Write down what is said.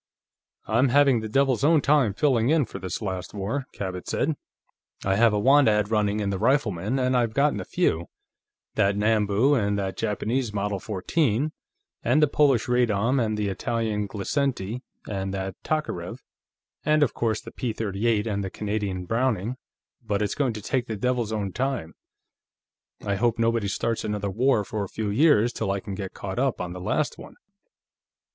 "I'm having the devil's own time filling in for this last war," Cabot said. "I have a want ad running in the Rifleman, and I've gotten a few: that Nambu, and that Japanese Model 14, and the Polish Radom, and the Italian Glisenti, and that Tokarev, and, of course, the P '38 and the Canadian Browning; but it's going to take the devil's own time. I hope nobody starts another war, for a few years, till I can get caught up on the last one."